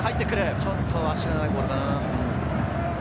ちょっと足の長いボールかな。